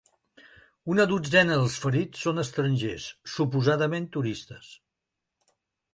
Una dotzena dels ferits són estrangers, suposadament turistes.